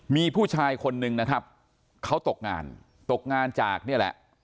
มีผู้ชายคนนึงนะครับเขาตกงานตกงานจากนี่แหละ